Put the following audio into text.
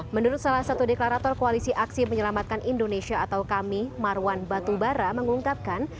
menurut salah satu deklarator koalisi aksi menyelamatkan indonesia atau kami marwan batubara mengungkapkan